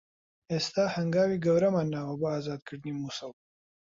ئێستا هەنگاوی گەورەمان ناوە بۆ ئازادکردنی موسڵ